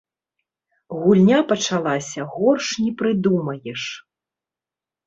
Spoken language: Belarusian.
Гульня пачалася горш не прыдумаеш.